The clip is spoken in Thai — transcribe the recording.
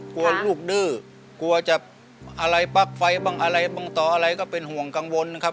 กลัวลูกดื้อกลัวจะอะไรปลั๊กไฟบ้างอะไรบ้างต่ออะไรก็เป็นห่วงกังวลนะครับ